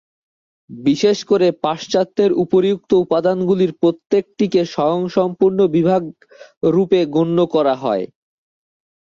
বিশেষ করে পাশ্চাত্যে উপরিউক্ত উপাদানগুলির প্রত্যেকটিকে স্বয়ংসম্পূর্ণ বিভাগ রূপে গণ্য করা হয়।